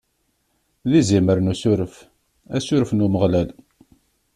D izimer n usuref, asuref n Umeɣlal.